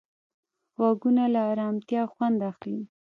غوږونه له ارامتیا خوند اخلي